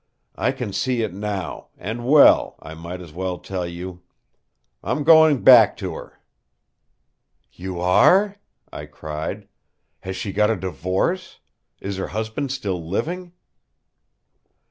I can see it, now; and well, I might as well tell you. I'm going back to her!" "You are?" I cried. "Has she got a divorce? Is her husband still living?"